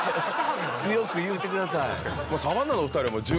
強く言うてください。